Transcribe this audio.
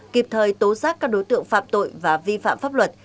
kịp thời tố giác các đối tượng phạm tội và vi phạm pháp luật